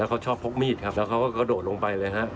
แล้วเขาชอบพกมีดครับแล้วเขาก็โดดลงไปเลยฮะ